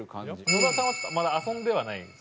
野田さんはまだ遊んではないですもんね。